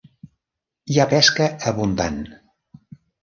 Hi ha pesca abundant.